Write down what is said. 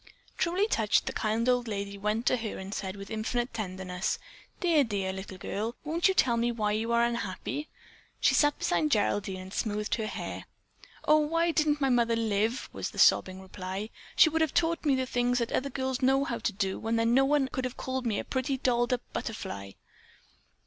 Truly touched, the kind old lady went toward her and said with infinite tenderness: "Dear, dear little girl! Won't you tell me why you are unhappy?" She sat beside Geraldine and smoothed her hair. "Oh, why didn't my mother live?" was the sobbing reply. "She would have taught me the things that other girls know how to do, and then no one could have called me a pretty dolled up butterfly."